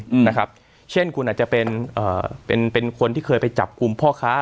อืมนะครับเช่นคุณอาจจะเป็นเอ่อเป็นเป็นคนที่เคยไปจับกลุ่มพ่อค้า